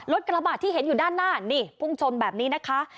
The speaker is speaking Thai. กระบาดที่เห็นอยู่ด้านหน้านี่พุ่งชนแบบนี้นะคะ